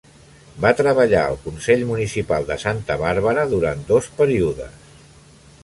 Va treballar al consell municipal de Santa Bàrbara durant dos períodes.